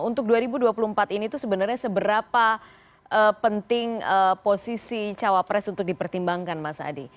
untuk dua ribu dua puluh empat ini itu sebenarnya seberapa penting posisi cawapres untuk dipertimbangkan mas adi